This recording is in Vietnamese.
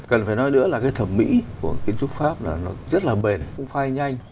cần phải nói nữa là cái thẩm mỹ của kiến trúc pháp là nó rất là bền phai nhanh